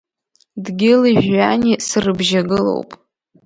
Дгьыли жәҩани срыбжьагылоуп.